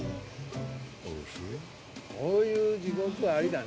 こういう地獄ありだね。